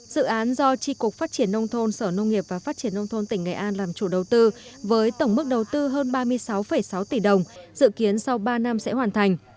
dự án do tri cục phát triển nông thôn sở nông nghiệp và phát triển nông thôn tỉnh nghệ an làm chủ đầu tư với tổng mức đầu tư hơn ba mươi sáu sáu tỷ đồng dự kiến sau ba năm sẽ hoàn thành